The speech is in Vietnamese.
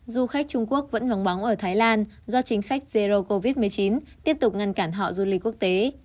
du khách trung quốc vẫn vắng bóng ở thái lan do chính sách zero covid một mươi chín tiếp tục ngăn cản họ du lịch quốc tế